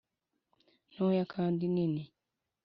ntoya kandi nini